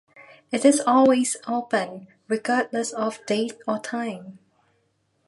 It is always open, regardless of date or time.